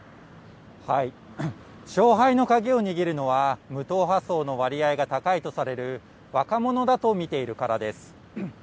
勝敗の鍵を握るのは、無党派層の割合が高いとされる、若者だと見ているからです。